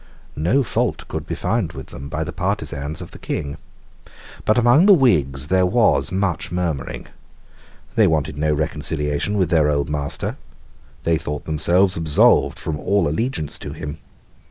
No fault could be found with them by the partisans of the King. But among the Whigs there was much murmuring. They wanted no reconciliation with their old master. They thought themselves absolved from all allegiance to him.